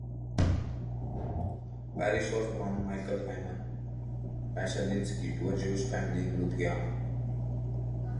Parish was born Michael Hyman Pashelinsky to a Jewish family in Lithuania.